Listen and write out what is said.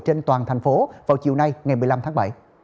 trên toàn thành phố vào chiều nay ngày một mươi năm tháng bảy